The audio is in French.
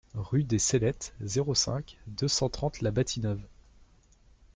Rue des Cellettes, zéro cinq, deux cent trente La Bâtie-Neuve